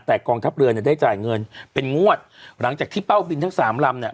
แต่กองทัพเรือเนี่ยได้จ่ายเงินเป็นงวดหลังจากที่เป้าบินทั้งสามลำเนี่ย